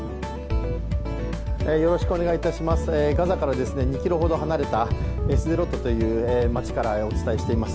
ガザから２ｋｍほど離れたスデロットという地域からお伝えしています。